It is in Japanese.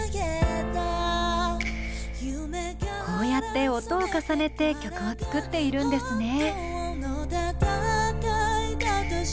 こうやって音を重ねて曲を作っているんですね。